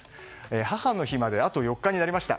母の日まであと４日になりました。